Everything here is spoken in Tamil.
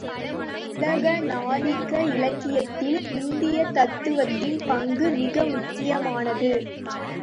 உலக நாத்திக இலக்கியத்தில் இந்திய தத்துவத்தின் பங்கு மிக முக்கியமானது.